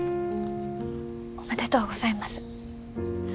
おめでとうございます。